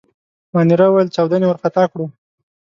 مانیرا وویل: چاودنې وارخطا کړو.